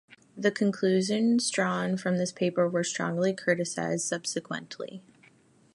The conclusions drawn from this paper were strongly criticized subsequently.